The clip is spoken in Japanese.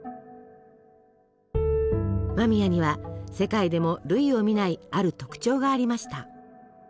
間宮には世界でも類を見ないある特徴がありました。